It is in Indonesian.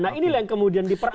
nah ini yang kemudian diperalat